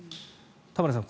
田村さん